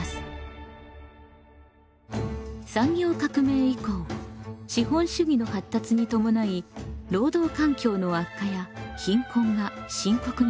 産業革命以降資本主義の発達に伴い労働環境の悪化や貧困が深刻になりました。